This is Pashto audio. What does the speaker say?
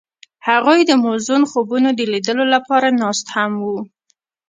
هغوی د موزون خوبونو د لیدلو لپاره ناست هم وو.